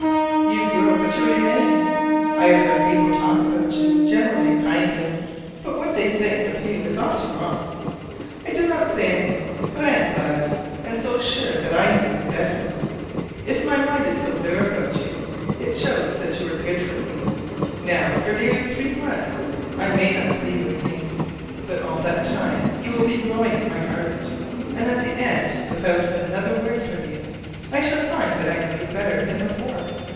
You grow, but you remain. I have heard people talk about you, generally kindly; but what they think of you is often wrong. I do not say anything, but I am glad, and so sure that I know you better. If my mind is so clear about you, it shows that you are good for me. Now for nearly three months I may not see you again; but all that time you will be growing in my heart; and at the end without another word from you I shall find that I know you better than before.